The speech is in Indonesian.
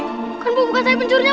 bukan bu bukan saya penjurinya bu